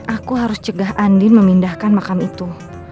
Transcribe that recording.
aku harus cegah andin memindahkan makam itu